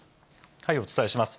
お伝えします。